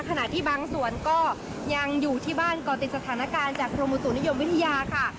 ขณะที่บางส่วนก็ยังอยู่ที่บ้านก่อติดสถานการณ์จากกรมอุตุนิยมวิทยาค่ะ